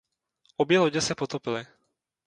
Obě lodě se potopily.